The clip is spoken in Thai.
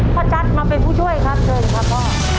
จัดมาเป็นผู้ช่วยครับเชิญครับพ่อ